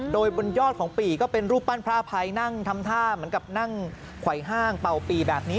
โดยบนยอดของปีก็เป็นรูปปั้นพระอภัยนั่งทำท่าเหมือนกับนั่งไขว้ห้างเป่าปีแบบนี้